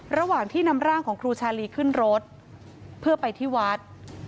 ระหว่างที่นำร่างของครูชาลีขึ้นรถเพื่อไปที่วัด